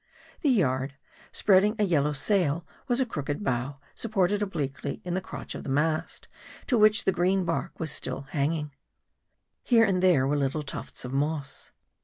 The yard, spreading a yellow sail, was a crooked bough, supported obliquely in the crotch of a mast, to which the green bark was still clinging. Here and there were little tufts of moss.